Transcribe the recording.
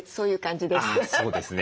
そうですね。